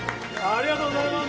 ありがとうございます。